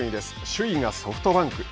首位がソフトバンク。